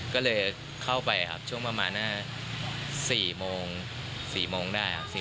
ก็เลยเข้าไปครับช่วงประมาณ๔โมง๔โมงได้ครับ